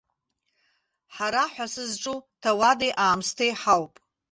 Ҳара ҳәа сызҿу, ҭауади-аамсҭеи ҳауп.